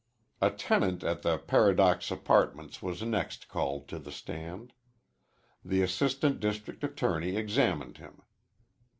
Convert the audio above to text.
A tenant at the Paradox Apartments was next called to the stand. The assistant district attorney examined him.